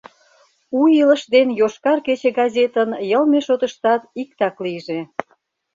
«У илыш» ден «Йошкар кече» газетын йылме шотыштат иктак лийже.